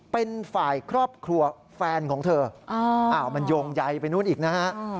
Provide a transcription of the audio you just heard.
เป็นฝ่ายครอบครัวแฟนของเธอมันโยงใยไปนู่นอีกนะฮะ